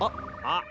あっ。